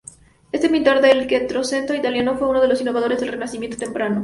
Este pintor del quattrocento italiano fue uno de los innovadores del Renacimiento temprano.